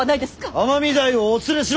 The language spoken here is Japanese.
尼御台をお連れしろ。